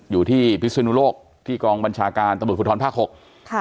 อยู่ที่พิสูจน์หนุโลกที่กองบัญชาการตมุทธภัณฑ์ภาคหกค่ะ